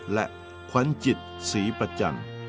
และขวัญจิตศรีประจันทร์